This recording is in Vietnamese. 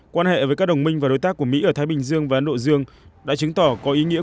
quan hệ với các đồng minh và đối tác của mỹ ở thái bình dương và ấn độ dương đã chứng tỏ có ý nghĩa